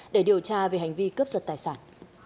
để điều tra về hành vi cướp giật tài sản